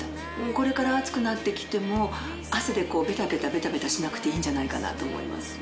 これから暑くなってきても汗でベタベタベタベタしなくていいんじゃないかなと思います。